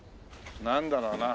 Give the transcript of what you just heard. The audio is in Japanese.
なんだろうな。